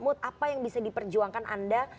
mood apa yang bisa diperjuangkan anda